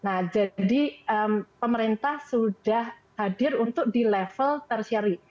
nah jadi pemerintah sudah hadir untuk di level tersyari